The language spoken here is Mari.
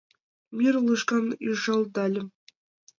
Мир! — лыжган ӱжылдальым.